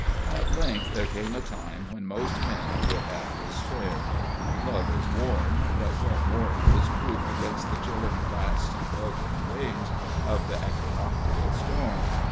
At length there came a time when most men would have despaired. Love is warm, but what warmth is proof against the chilling blasts and pelting rains of the equinoctial storm?